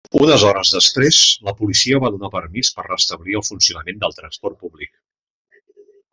Unes hores després la Policia va donar permís per restablir el funcionament del transport públic.